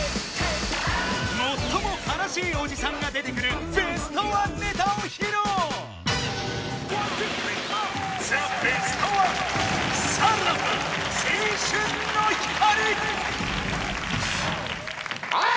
最も悲しいおじさんが出てくるベストワンネタを披露ザ・ベストワンおいっ！